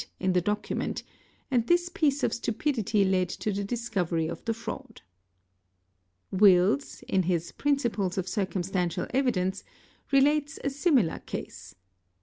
in the document, and this piece of stupidity led to the discovery of the fraud. Wélls, in his ' Principles of Circumstantial Evidence' ", relates a similar case.